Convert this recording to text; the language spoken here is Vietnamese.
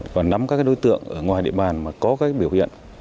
và nắm các đối tượng ở ngoài địa bàn mà có các biểu hiện